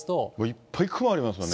いっぱい雲ありますよね、